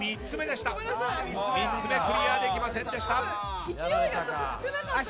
３つめクリアできませんでした。